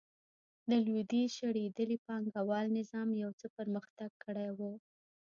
د لوېدیځ شړېدلي پانګوال نظام یو څه پرمختګ کړی و.